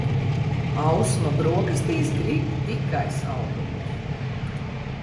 Ausma brokastīs grib tikai saldumus